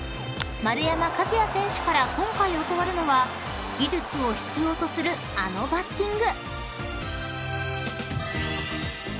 丸山和郁選手から今回教わるのは技術を必要とするあのバッティング］